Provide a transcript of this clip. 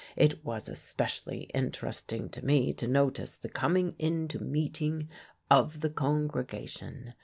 It was especially interesting to me to notice the coming in to meeting of the congregation.